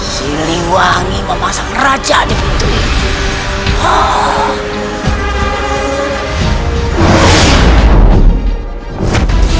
siliwangi memasang raja di pintu ini